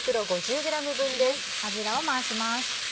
油をまわします。